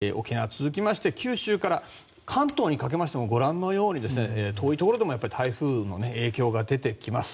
明日日中は、これから奄美、沖縄大荒れの天気が続きまして九州から関東にかけましてもご覧のように遠いところでも台風の影響が出てきます。